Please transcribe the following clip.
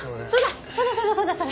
そうだそうだ。